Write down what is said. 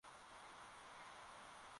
kwenda na kuondoka jarkata indonesia